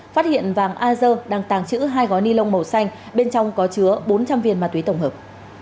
phát hiện vàng a dơ đang tàng trữ hai gói ni lông màu xanh bên trong có chứa bốn trăm linh viên ma túy tổng hợp